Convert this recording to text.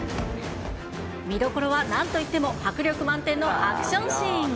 見どころはなんといっても迫力満点のアクションシーン。